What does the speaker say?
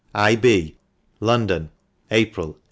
I. B. London, April, 1881.